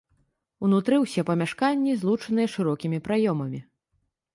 Унутры ўсе памяшканні злучаныя шырокімі праёмамі.